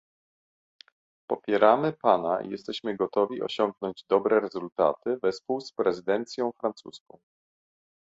popieramy pana i jesteśmy gotowi osiągnąć dobre rezultaty wespół z prezydencją francuską